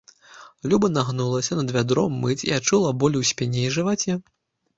Люба нагнулася над вядром мыць і адчула боль у спіне і жываце.